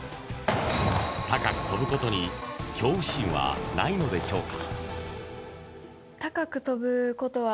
高く跳ぶことに恐怖心はないのでしょうか。